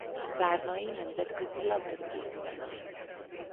Várnai nemzetközi női labdarúgó torna.